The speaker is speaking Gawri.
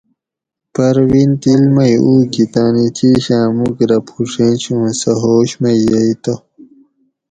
پروین ڈل مئی اُو گھی تانی چیشاۤں مُوک رہ پُھوڛینش اوں سہ ہوش مئی یئی تو